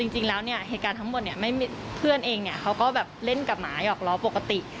จริงแล้วเนี่ยเหตุการณ์ทั้งหมดเนี่ยเพื่อนเองเนี่ยเขาก็แบบเล่นกับหมาหยอกล้อปกติ